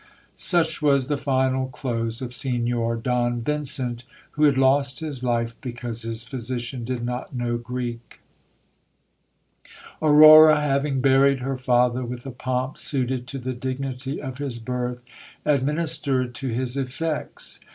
Such was the final close of Signor ^Don Vincent, who had lost his life because his physician did not know Greek. j Aurora having buried her father with a pomp suited to the dignity of his birth, administered to his effects.